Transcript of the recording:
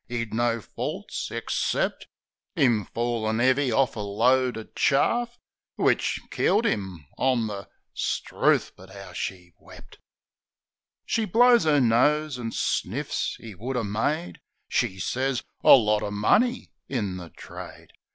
'E'd no faults ixcept 'Im fallin' 'eavy orf a load o' charf W'ich— killed 'im— on the " 'Struth ! But 'ow she wept. She blows 'er nose an' sniffs. " 'E would 'a' made" She sez "A lot of money in the trade.